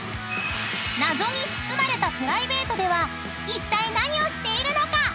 ［謎に包まれたプライベートではいったい何をしているのか？］